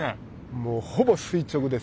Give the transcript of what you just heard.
もうほぼ垂直です。